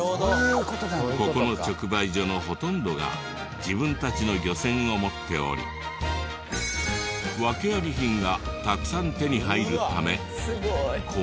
ここの直売所のほとんどが自分たちの漁船を持っており訳あり品がたくさん手に入るためこんな量のおまけを。